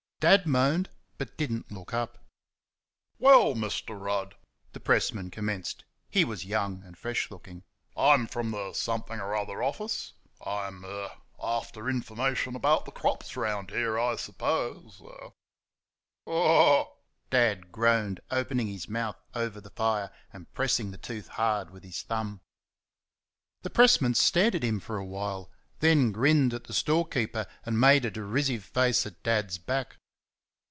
Dad moaned, but did n't look up. "Well, Mr. Rudd," the pressman commenced (he was young and fresh looking), "I'm from the (something or other) office. I'm er after information about the crops round here. I suppose er " "Oh h h!" Dad groaned, opening his mouth over the fire, and pressing the tooth hard with his thumb. The pressman stared at him for awhile; then grinned at the storekeeper, and made a derisive face at Dad's back.